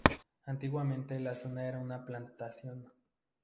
Antiguamente la zona era una plantación.